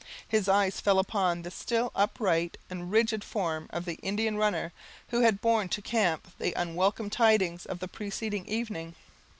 His eyes fell on the still, upright, and rigid form of the "Indian runner," who had borne to the camp the unwelcome tidings of the preceding evening.